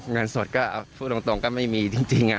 เงินโสดของผมตรงก็ไม่มีจริง